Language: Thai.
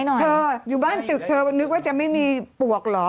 เธออยู่บ้านตึกเธอนึกว่าจะไม่มีปวกเหรอ